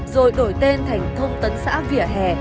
rồi đổi tên thành thông tấn xã vỉa hè